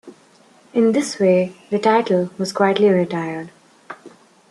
In this way, the title was quietly retired.